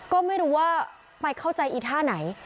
ก็ไม่รู้ว่าไปเข้าใจอีท่าไหน